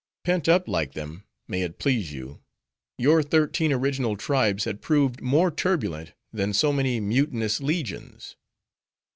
Pent up, like them, may it please you, your thirteen original tribes had proved more turbulent, than so many mutinous legions.